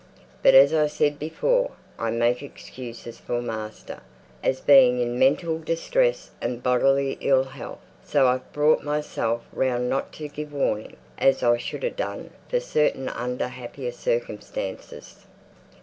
But as I said before, I make excuses for master, as being in mental distress and bodily ill health; so I've brought myself round not to give warning, as I should ha' done, for certain, under happier circumstances."